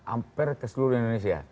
ampir ke seluruh indonesia